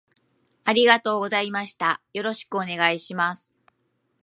ありがとうございましたよろしくお願いします